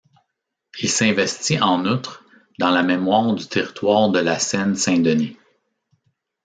Il s'investit en outre dans la mémoire du territoire de la Seine-Saint-Denis.